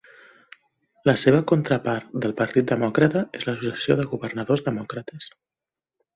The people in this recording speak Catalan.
La seva contrapart del Partit Demòcrata es l'Associació de Governadors Demòcrates.